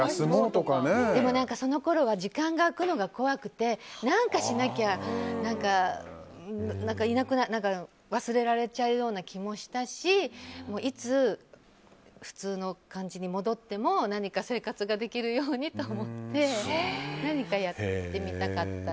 でもそのころは時間が空くのが怖くて何かしなきゃ忘れられちゃうような気もしたしいつ普通の感じに戻っても何か生活ができるようにと思って何かやってみたかった。